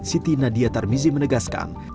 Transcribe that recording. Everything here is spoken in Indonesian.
siti nadia tarmizi menegaskan